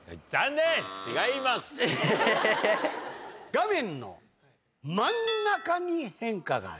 画面の真ん中に変化があります。